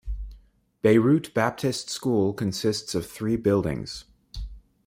Beirut Baptist School consists of three buildings.